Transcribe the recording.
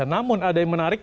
namun ada yang menarik